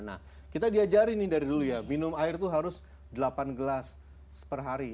nah kita diajarin nih dari dulu ya minum air itu harus delapan gelas per hari